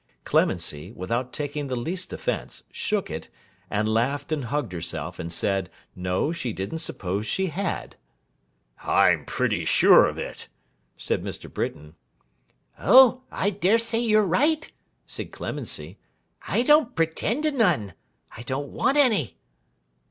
Clemency, without taking the least offence, shook it, and laughed and hugged herself, and said, 'No, she didn't suppose she had.' 'I'm pretty sure of it,' said Mr. Britain. 'Oh! I dare say you're right,' said Clemency. 'I don't pretend to none. I don't want any.